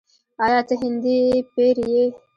“آیا ته هندی پیر یې؟”